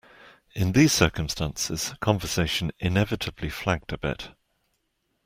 In these circumstances, conversation inevitably flagged a bit.